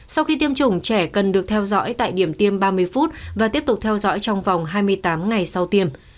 sau khi tiêm chủng trẻ cần được theo dõi tại điểm tiêm ba mươi phút và tiếp tục theo dõi trong vòng hai mươi tám ngày sau tiêm